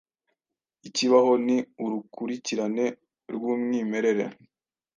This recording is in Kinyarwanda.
Ikibaho ni urukurikirane rwumwimerere